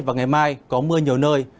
và ngày mai có mưa nhiều nơi